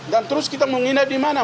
dan terus kita mau nginep dimana